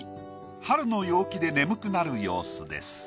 春の陽気で眠くなる様子です。